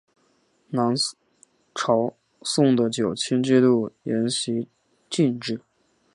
南朝宋的九卿制度沿袭晋制。